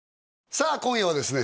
さあ今夜はですね